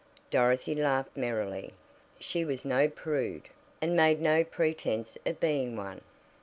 Dorothy laughed merrily. She was no prude, and made no pretense of being one.